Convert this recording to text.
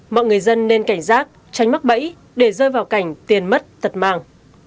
mọi người dân nên cảnh giác tránh mắc bẫy để rơi vào cảnh tiền mất tật màng